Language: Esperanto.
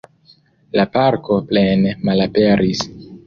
La parko plene malaperis.